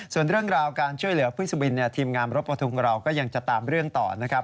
ส่วนเรื่องราวการช่วยเหลือพี่สุบินทีมงานรถประทุงเราก็ยังจะตามเรื่องต่อนะครับ